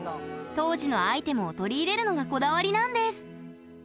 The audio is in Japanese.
当時のアイテムを取り入れるのがこだわりなんです。